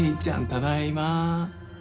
ただいま。